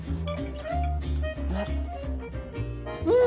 うん。